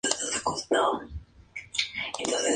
MacKay nació en New Glasgow, Nueva Escocia.